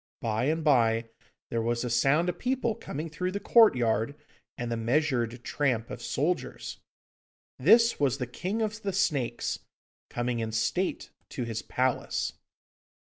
By and by there was a sound of people coming through the courtyard, and the measured tramp of soldiers. This was the King of the Snakes coming in state to his palace.